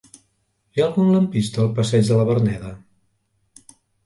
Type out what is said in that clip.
Hi ha algun lampista al passeig de la Verneda?